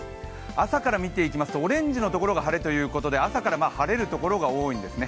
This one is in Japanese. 朝から見ていきますとオレンジのところが晴れということで朝から晴れるところが多いんですね。